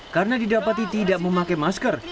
karena didapati tidak memakai masker